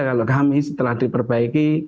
kalau kami setelah diperbaiki